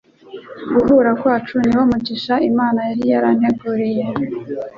Guhura kwacu niwo mugisha imana yari yaranteguriye